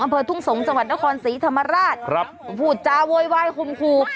อำเภอทุ่งสงสวรรค์นครศรีธรรมราชผู้จาโวยวายคุมครู